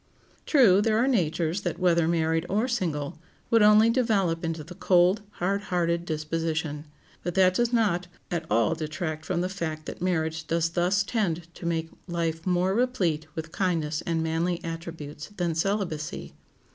True, there are natures that, whether married or single, would only develop into the cold, hard hearted disposition; but that does not at all detract from the fact that marriage does thus tend to make life more replete with kindness and manly attributes than celibacy.